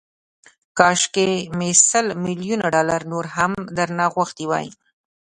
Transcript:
کاشکي مې سل ميليونه ډالر نور هم درنه غوښتي وای